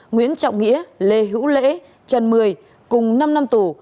nguyễn trọng nghĩa lê hữu lễ trần mười cùng năm năm tù